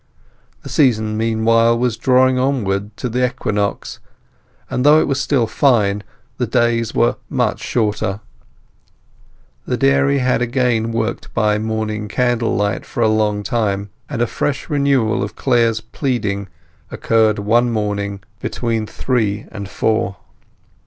The season meanwhile was drawing onward to the equinox, and though it was still fine, the days were much shorter. The dairy had again worked by morning candlelight for a long time; and a fresh renewal of Clare's pleading occurred one morning between three and four.